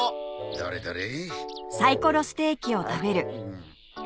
どれどれ！